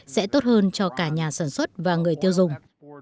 sẽ tốt hơn cho cả nhà sản xuất và người tiêu dùng